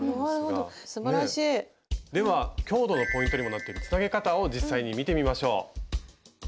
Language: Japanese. では強度のポイントにもなってるつなげ方を実際に見てみましょう。